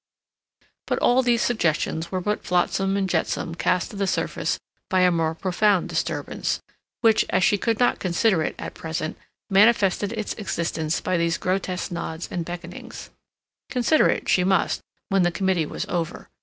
But all these suggestions were but flotsam and jetsam cast to the surface by a more profound disturbance, which, as she could not consider it at present, manifested its existence by these grotesque nods and beckonings. Consider it, she must, when the committee was over.